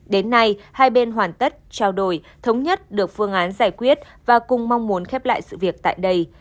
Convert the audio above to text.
đến nay hai bên hoàn tất trao đổi thống nhất được phương án giải quyết và cùng mong muốn khép lại sự việc tại đây